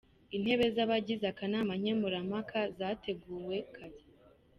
Intebe z’abagize akanama nkemurampaka zateguwe kare.